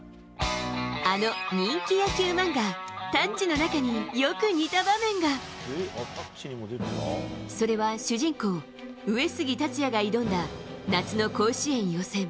あの人気野球漫画「タッチ」の中によく似た場面が！それは主人公・上杉達也が挑んだ夏の甲子園予選。